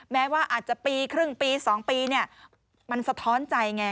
แม้ว่าอาจจะปีครึ่งปี๒ปีเนี่ยมันสะท้อนใจไง